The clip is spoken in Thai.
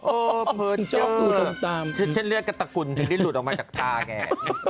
โอ้ยเผอะเจื้อคือถึงได้เลือกกระตะกุ่นที่ดูลุดออกมาจากต้าแก